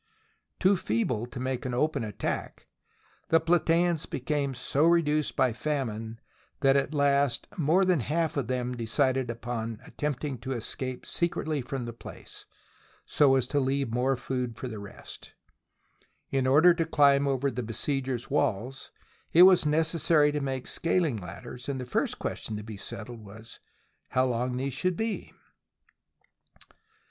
Too feeble to THE SIEGE OF PLAT^A make an open attack, the Platseans became so re duced by famine that at last more than half of them decided upon attempting to escape secretly from the place, so as to leave more food for the rest. In order to climb over the besiegers' walls, it was necessary to make scaling ladders, and the first question to be settled was how long these should be.